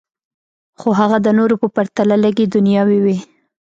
خو هغه د نورو په پرتله لږې دنیاوي وې